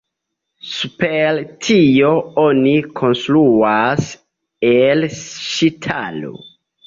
Super tio oni konstruas el ŝtalo.